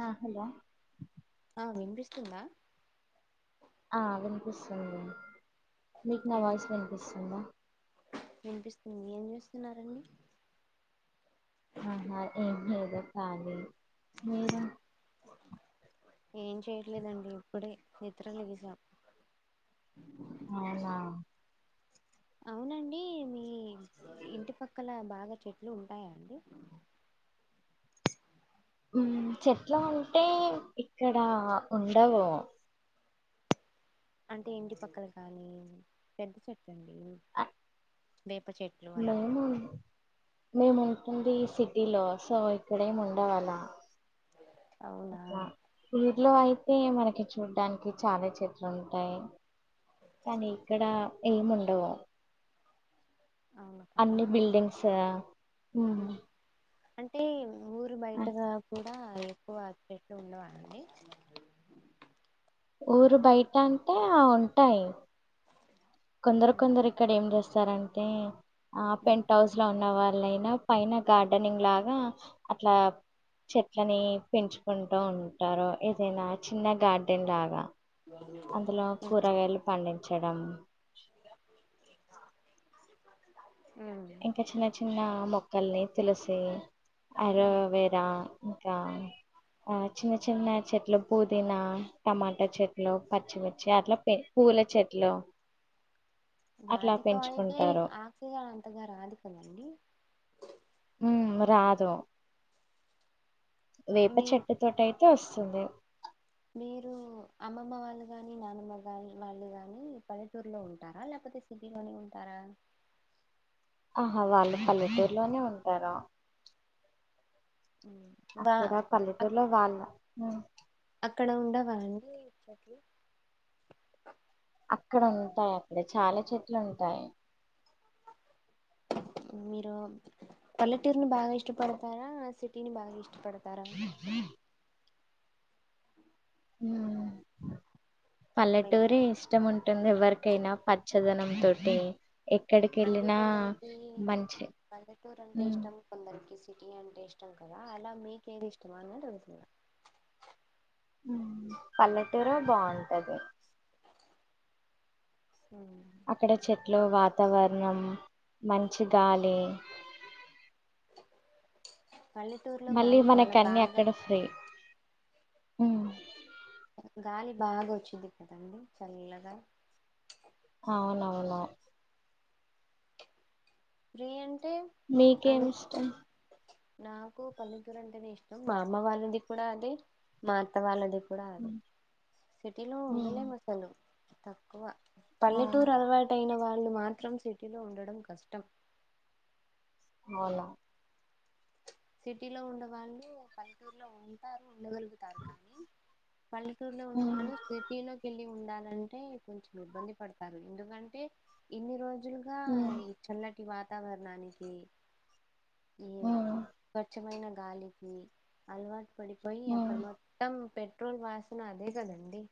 ఆ హలో ఆ వినిపిస్తుందా ఆ వినిపిస్తుంది మీకు నా ఏం వాయిస్ వినిపిస్తుందా వినిపిస్తుంది ఏం చేూస్తున్నారండి ఆహా ఏం లేదు కానీ మీరు ఏం చేయట్లేదండి ఇప్పుడే నిద్రా లేగిసా అవున అవునండి. మీ ఇంటిపక్కల బాగా చెట్లు ఉంటాయా అండి చెట్ల ఉంటే ఇక్కడ ఉండవు అంటే ఇంటిపక్కలు కానీ పెద్ద చెట్టు అండి ఆ, వేప చెట్టు మేము మేము ఉంటుంది సిటీలో సో ఇక్కడేమి ఉండవాల అవునా ఊరిలో అయితే మనకి చూడ్డానికి చాలా చెట్లు ఉంటాయ్. కానీ ఇక్కడ ఏం ఉండవో అవును కదా అన్ని బిల్డింగ్సా ఉహుహ్ ఉమ్. అంటే ఊరు బయట కూడా ఎక్కువ ఆపెట్లు ఉండవండి. ఊరు బయట అంటే ఆ ఉంటాయ్. కొందరు ఉమ్, కొందరు ఇక్కడ ఏం జేస్తారంటే ఆ ఉమ్, పెంట్ హౌస్. ఇంట్లా ఉన్న వాళ్ళైనా పైన గార్డెనింగ్ లాగా అట్లా చెట్లని పెంచుకుంటూ ఉంటారు ఏదైనా చిన్న గార్డెన్ లాగా అందులో కూరగాయలు పండించడం. ఉహ్ ఇంకా చిన్న చిన్న మొక్కల్ని తులసి అర ఉమ్. వేర్ ద ఇంకా ఆ చిన్న చిన్న చెట్ల పుదీనా టమాటా చెట్లు పచ్చిమిర్చి అట్లా పె పూల చెట్లో వాటితో అయితే పెంచుకుంటారు ఆక్సిజన్ అంతగా రాదు కదండి. ఉహ్మ్ రాదో వేప మీరు చెట్టు తోటైతే వసుంది. మీరు అమ్మమ్మ వాళ్ళు గాని నానమ్మ వాళ్ళు గాని పల్లెటూరులో ఉంటారా లేపోతే సిటీలోనే ఉంటారా. ఆహా వాళ్ళు పల్లెటూరులోనే ఉంటారో హుహ్ అక్కడ పల్లెటూరులో వాళ్ళా అక్కడ ఉండవా అండి ఇచ్చేటి అక్కడ ఉంటాయండి చాలా చెట్లు ఉంటాయి. మీరు పల్లెటూరుని బాగా ఇష్టపడతారా సిటీని బాగా ఇష్టపడత్ ఉ ఉహ్ హలో పల్లటూరి ఇష్ ఇష్టం ఉంటుంది ఎవరికైనా పచ్చదనం తోటి ఎక్కడికి అంటే ఏళ్ళినా కొందరికి మంచి పల్లెటూరు అంటే ఇష్టం కొందరికి సిటీ అంటే ఇష్టం కదా అలా మీకేది ఇష్టమా అన్నటుడుగుతున్నా ఉహ్ పల్లెటూరే బావుంటది. ఓ తుమ్ అక్కడ చెట్లు వాతావరణం మంచి గాలి పల్లెటూరులో మళ్ళీ గాలి చాలా మనకి అన్ని బాగా అక్కడే ఫ్రీ ఉమ్, గాలి బాగా వచ్చింది కదండి చల్లగా హవునవునా ఫ్రీ అంటే అంత మీకేమి ఇష్టం నాకు పల్లెటూరు అంటేనే ఇష్టం మా అమ్మ వాళ్ళది కూడా అదే మా అత్త వాళ్ళది కూడా అదే ఉమ్, సిటీలో ఉమ్, ఉండలేం అసలు తక్కువ ఆ, పల్లెటూరు అలవాట్ యిన వాళ్ళు మాత్రం సిటీలో ఉండడం కష్టం అవునా సిటీలో ఉండే వాళ్ళు పల్లెటూరులో ఉంటారు. ఉండగలుగుతారు. కానీ పల్లెటూరులో ఉన్న ఉమ్ వాళ్ళు సిటీలోకెళ్ళి ఉండాలంటే కొంచెం ఇబ్బంది. పడతారు. ఎందుకంటే ఇన్ని రోజులుగా ఉమ్, చల్లటి వాతావరణానికి ఏమ్ ఉమ్, స్వచ్చమైన గాలికి అలవాటు పడిపోయి అక్కడ ఉమ్. మా మొత్తం. పెట్రోల్ వాసన అదే కదండి.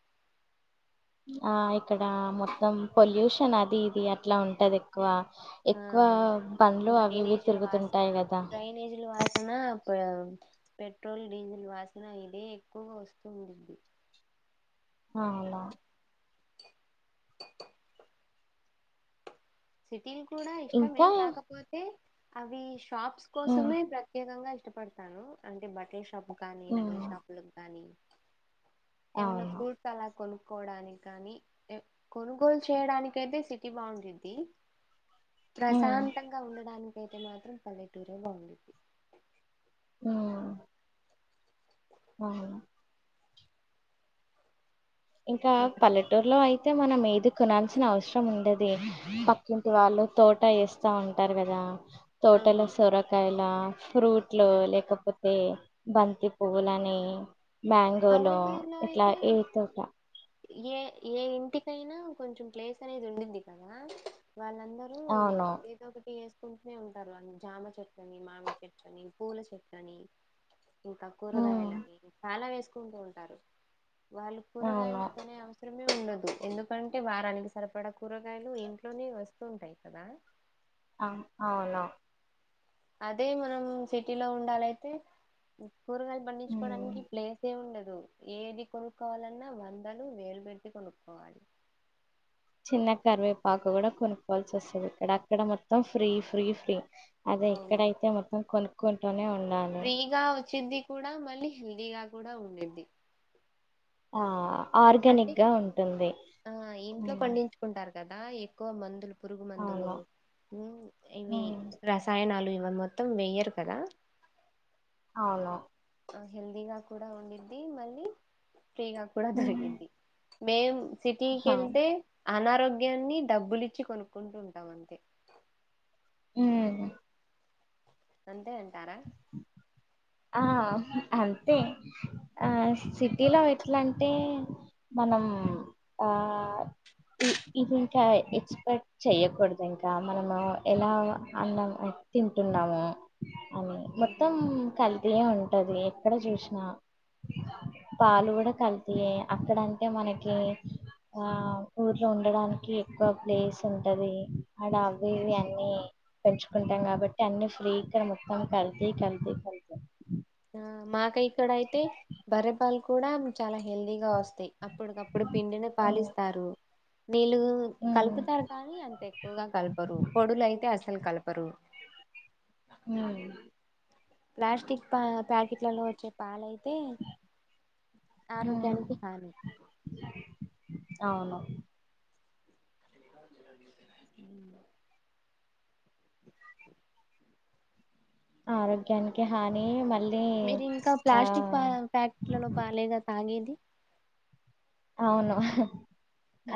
ఆ ఇక్కడ మొత్తం. పొల్యూషన్ అది ఇది అట్లా ఉంటది. ఎక్కువ ఆ ఎక్కువ బండ్లు అవి ఇవి డ్రైనేజీల వాసన తిరుగుతుంటాయి కదా డ్రైనేజీల వాసన పావ్ పెట్రోల్ డీజిల్ వాసన ఇదే ఎక్కువగా వస్తు ఉండిద్ది. అలా సిటీలు కూడా ఇష్టమే ఇంకా కాకపోతే అవి షాప్స్ ఉమ్, కోసమే ప్ర ఏకంగా ఇష్టపడతాను అంటే బట్టల షాప్ కానీ నగల ఉమ్, షాపులకు కానీ ఏమన్నా అవును ఫూడ్ అలా కొనుక్కోవడానికి కాని ఏమ్ కొనుగోలు చేయడానికి అయితే సిటీ బాగుండిద్ది. ఉమ్, ప్రశాంతంగా ఉండడానిక అయితే మాత్రం పల్లెటూరే బాగుండిద్ది. ఉ ఆ హ ఇంకా పల్లెట్ టూరులో అయితే మనం ఏది కొనాల్సిన అవసరం ఉండది పక్కింటి వాళ్ళు తోట వేస్త వస్తా ఉంటారు కదా తోటలో అవును సొర కాయల ఫ్రూట్లు లేకపోతే బంతి పువ్వులని మ్యాంగోలో పల్లెటూరులో ఇట్లా అయితే ఏ తుట ఏ ఏ ఇంటికైనా కొంచెం ప్లేస్ అనేది ఉండింది కదా వాళ్ళందరూ అవును ఎదో ఒకటి వేసుకుంటూనే ఉంటారు. అని జామ చెట్టు అని మామిడి చెట్టు అని పూల చెట్టు అని ఇంకా ఉమ్ కూరగాయలని చాలా వేసుకుంటూ ఉంటారు. వాళ్ళు కూరగాయలు అవును కొనే అవస శ్రమే ఉండదు ఎందుకంటే వారానికి సరిపడా కూరగాయలు ఇంట్లోనే వస్తూ ఉంటాయి కదా అమ్ అవును అదే మనం సిటీలో ఉండాలయితే కూరగాయలు ఉమ్ పండించుకోవడానికి ప్లేస్ ఏ ఉండదు. ఏది కొనుక్కోవాలన్నా వందలు వేలు పెట్టి కొనుక్కోవాలి చిన్న కరివేపాకు కూడా కొనుక్కోవాల్సి వస్తుంది. ఇక్కడ అక్కడ మొత్తం ఫ్రీ ఫ్రీ ఫ్రీ అదే అవును ఇక్కడైతే మొత్తం కొనుక్కుంటూనే ఉండాలి. ఫ్రీగా వచ్చిది కూడా మళ్ళీ హెల్దీగా కూడా ఉండిద్ది. ఆ అంటే ఆర్గానిక్ గా ఉంటుంది. కుంటారు కదా ఎక్కువ మందులు పురుగు మందులు అవును మ్ ఇవి ఉమ్ రసాయనాలు ఇవి మొత్తం వేయ్యరు కదా. అవును ఆ హెల్దీగా కూడా ఉండిద్ది. మళ్ళీ ఫ్రీగా కూడా దొరికిద్ది. మేం సిటీకి హా వెళ్తే అనారోగ్యాన్ని డబ్బులిచ్చి కొనుక్కుంటు ఉంటాం అంతే. ఉ అంతే అంటారా. ఆ అంతే. ఆ సిటీలో ఎట్లాంటే. మనం ఆ ఇద్ ఇది ఇంకా ఎక్స్పర్ట్. చెయ్యకూడదు ఇంకా మనము ఎలా అన్నం తింటున్నాము. అని మొత్తం ఉమ్, కల్తీయే ఉంటది ఎక్కడ చూశినా. పాలు కూడా కల్తీయే అక్కడంటే మనకి ఆ ఊర్లో ఉండడానికి ఎక్కువ ప్లేస్ ఉంటది, ఆడ అవి ఇవి అన్నీ పెంచుకుంటాం కాబట్టి అన్ని ఫ్రీ ఇక్కడ మొత్తం కల్తీ, కల్తీ, కల్తీ. ఆ మాకు ఇక్కడ అయితే బర్రే పాలు కూడా చాలా హెల్దీగా వస్తయి అప్పటికప్పుడు పిండిన ఉమ్, పాలిస్తారు. నీళ్ళు ఉమ్, కలుపుతారు కానీ అంత ఎక్కువగా కలపరు, పొడులు అయితే అస్సలు కలపరు. హ్ ప్లాస్టిక్ ప ప్యాకెట్లలో వచ్చే పాలయితే ఉమ్. ఆరోగ్యానికి హాని. అవును ఆరోగ్యానికి హాని మళ్ మీరు ఇంకా ప్లాస్టిక్ పా ప్యాకెట్లలో పాలేగా తాగేది. అవును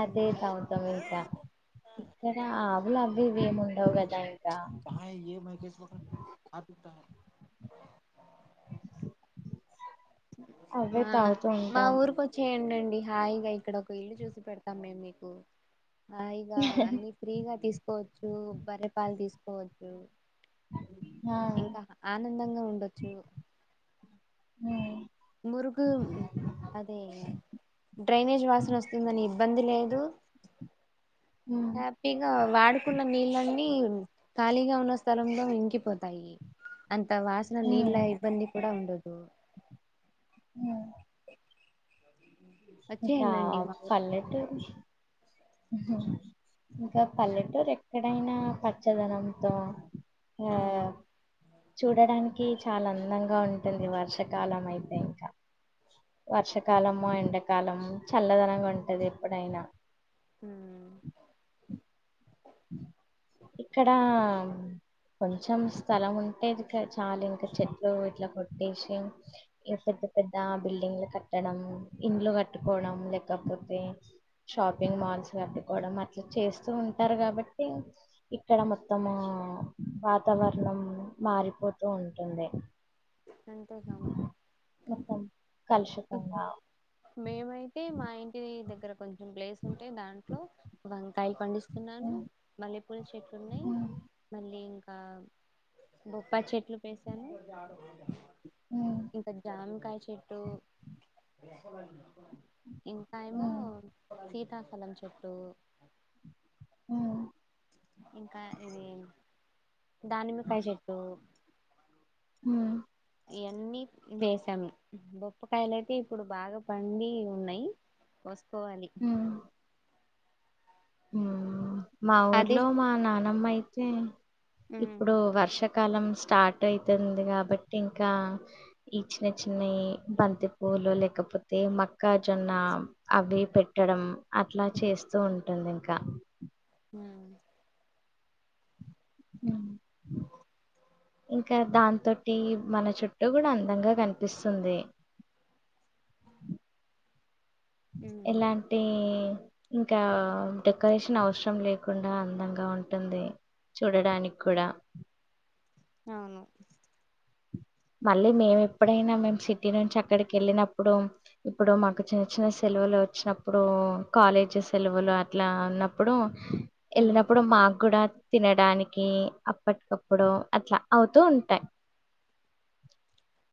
అదే తావుతాం ఇంకా. ఇక్కడ ఆవులు అవి ఇవి ఏమి ఉండవు కదా ఇంకా కా ఏ మహకష్ బ కా పూా అవే మా తాగుతూ మా ఉంటాం ఊరు కో వచ్చేయండి అండి హాయిగా ఇక్కడ ఒక ఇల్లు చూసి పెడతాం మేం మీకు హాయిగా అన్నీ ఫ్రీగా తీసుకోవచ్చు, బర్రె పాలు తీసుకోవచ్చు ఆ ఇంకా ఆనందంగా ఉండొచ్చు. ఉమ్ మురుగు అదే డ్రైనేజ్ వాసన వస్తుందని ఇబ్బంది లేదు, ఉ హ్యాపీగా వాడుకున్న నీళ్ళన్నీ ఖాళీగా ఉన్న స్థలంలో ఇంకిపోతాయి. అంత వాసన నీళ్ళ ఉమ్ ఇబ్బంది కూడా ఉండదు. ఉ ఇంకా వచ్చేయండండి మా ఊరికి పల్లెటూరు ఇంకా పల్లెటూరు ఎక్కడైనా పచ్చదనంతో ఆ అవును చూడడానికి చాలా అందంగా ఉంటుంది వర్షాకాలం అయితే ఇంకా. వర్షాకాలము, ఎండాకాలము చల్లదనంగా ఉంటది ఎప్పుడైనా. హ్ ఇక్కడా కొంచెం స్థలం ఉంటే ఇక్కడ చాలు ఇంకా చెట్లు ఇట్లా కొట్టేశి ఇగ పెద్ద పెద్ద బిల్డింగ్లు కట్టడం, ఇండ్లు కట్టుకోవడం లేకపోతే షాపింగ్ మాల్స్ కట్టుకోవడం అట్లా చేస్తూ ఉంటారు కాబట్టి ఇక్కడ మొత్తము వాతావరణం మారిపోతూ ఉంటుంది. అంతేగా మరి. మొత్తం కలుషితంగా మేమయితే మా ఇంటి దగ్గర కొం చెం ప్లేస్ ఉంటే దాంట్లో వంకాయలు పండిస్తున్నాను, ఉమ్, మల్లెపూల చెట్లు ఉన్నయి. ఉమ్, మళ్ళీ ఇంకా బొప్పాయి చెట్లు వేసాను. ఉమ్, ఇంకా జామ్ కాయ చెట్టు ఇంకా ఏమో ఉమ్, సీతాఫలం చెట్టు అ ఇంకా ఇది దానిమ్మకాయ చెట్టు హ ఇవన్నీ వేసాము బొప్పకాయలు అయితే ఇప్పుడు బాగా పండి ఉన్నాయి కోసుకోవాలి ఉమ్, మా అదే ఊర్లో మా నానమ్మ అయితే ఉమ్ ఇప్పుడు వర్ష కాలం స్టార్ట్ అయితంది కాబట్టి ఇంకా ఈ చిన్న చిన్నవి బంతి పువ్వులు లేకపోతే మక్కజొన్న అవి పెట్టడం అట్లా చేస్తూ ఉంటుంది ఇంక ఉ హ ఇంక దాని తోటి మన చుట్టూ కూడా అందంగా కనిపిస్తుంది ఉమ్ ఎలాంటి ఇంకా డెకరేషన్ అవసరం లేకుండా అందంగా ఉంటుంది చూడడానికి కూడా అవును మళ్ళీ మేము ఎప్పుడైనా మేము సిటీ నుంచి అక్కడికి ఎళ్ళినప్పుడు ఇప్పుడు మాకు చిన్న చిన్న సెలవులు వచ్చినప్పుడు కాలేజ్ సెలవులు అట్లా ఉన్నప్పుడు ఉమ్ ఎళ్ళినప్పుడు మాకు కూడా తినడానికి అప్పటికప్పుడు అట్లా అవుతూ ఉంటాయ్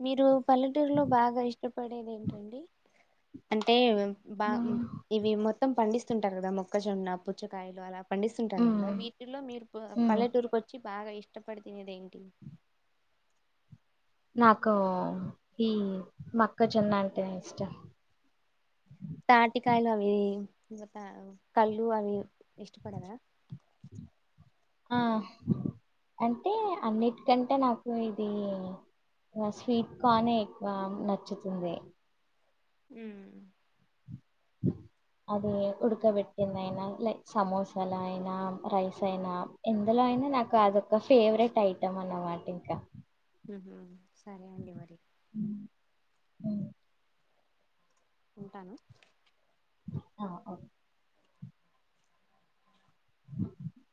మీరు పల్లెటూరులో బాగా ఇష్టపడేది ఏంటండి అంటే బా ఉమ్ ఇవి మొత్తం పండిస్తుంటారు కదా మొక్కజొన్న పుచ్చకాయలు అలా పండిస్తుంటారు ఉమ్ కదా వీటిలో మీరు ఉమ్. పల్లెటూరుకి వచ్చి బాగా ఇష్టపడి తినేది ఏంటి నాకు ఈ మక్కజొన్న అంటేనే ఇష్టం తాటికాయలు అవి ఇంగ తా కళ్ళు అవి ఇష్టపడరా ఆ అంటే అన్నిటికంటే నాకు ఇది ఇంగ స్వీట్ కాన్నే ఎక్కువ నచ్చుతుంది హ్మ్ అది ఉడకబెట్టింది అయినా లైక్ సమోసాల అయినా రైస్ అయినా ఎందులో అయినా నాకు అదొక ఫేవరెట్ ఐటం అనమాట ఇంక హ్మ్ హు సరే అండి మరి ఉ ఉ ఉంటాను ఆ ఓ అ